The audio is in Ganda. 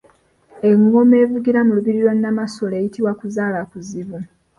Engoma evugira mu lubiri lwa Namasole eyitibwa Kuzaalakuzibu.